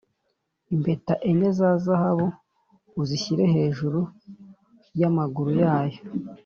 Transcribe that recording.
impeta enye za zahabu uzishyire hejuru y’amaguru yayo